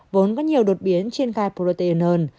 vốn có nhiều đột biến trên gai protein hơn